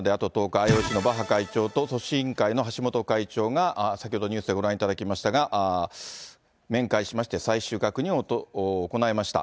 ＩＯＣのバッハ会長と組織委員会の橋本会長が、先ほどニュースでご覧いただきましたが、面会しまして、最終確認を行いました。